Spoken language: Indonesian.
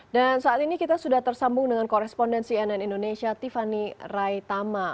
dan saat ini kita sudah tersambung dengan korespondensi nn indonesia tiffany raitama